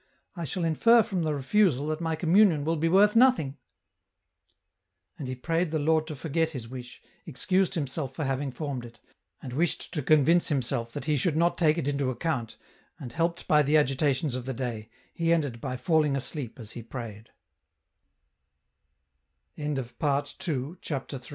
I shall infer from the refusal that my communion will be worth nothing !" And he prayed the Lord to forget his wish, excused himself for having formed it, and wished to convince himself that He should not take it into account, and, helped by the agitations of the day, he ended